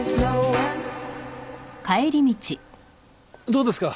どうですか？